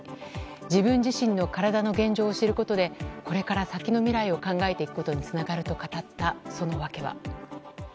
自分自身の体の現状を知ることでこれから先の未来を考えていくことにつながると語った、その訳は。